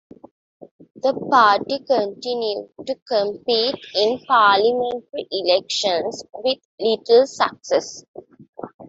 The party continued to compete in parliamentary elections, with little success.